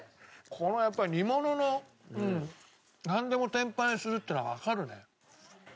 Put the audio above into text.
このやっぱり煮物のなんでも天ぷらにするっていうのはわかるね。